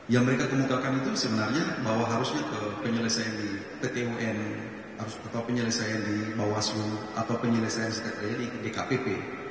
yang mereka kemukakan itu sebenarnya bahwa harusnya ke penyelesaian di pt un atau penyelesaian di bawaslu atau penyelesaian di dkpp